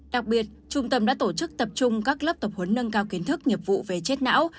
đặc biệt trung tâm đã tổ chức tập trung các lớp tập huấn nâng cao kiến thức nghiệp vụ về chết não